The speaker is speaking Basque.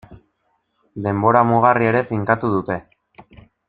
Denbora mugarria ere finkatu dute.